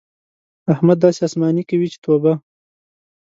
احمد داسې اسماني کوي چې توبه!